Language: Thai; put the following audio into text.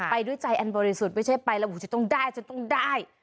ไปด้วยใจอันบริสุทธิ์ไม่ใช่ไปแล้วจะต้องได้จะต้องได้